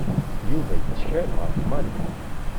Yuba yettkal ɣef Mary.